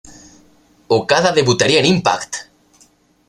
Okada debutaría en Impact!